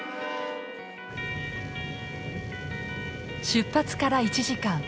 出発から１時間。